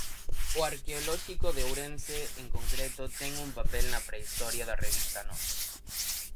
O Arqueolóxico de Ourense, en concreto, ten un papel na prehistoria da revista Nós.